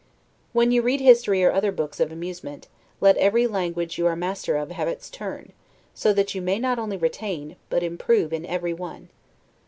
When you read history or other books of amusement, let every language you are master of have its turn, so that you may not only retain, but improve in everyone.